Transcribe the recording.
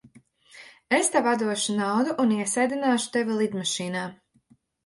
Es tev atdošu naudu un iesēdināšu tevi lidmašīnā.